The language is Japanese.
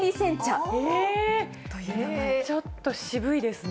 ちょっと渋いですね。